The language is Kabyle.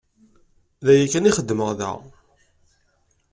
D aya kan i xeddmeɣ da.